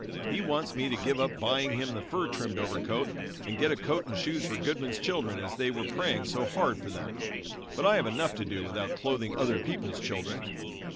He wants me to give up buying him the fur trimmed overcoat and get a coat and shoes for Goodman's children, as they were praying so hard for them, but I have enough to do without clothing other people's children.